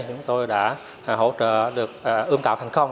chúng tôi đã hỗ trợ ươm tạo thành công